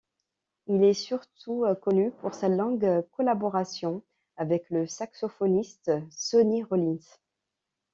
Il est surtout connu pour sa longue collaboration avec le saxophoniste Sonny Rollins.